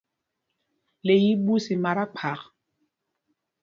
Le í í ɓus i mata kphak.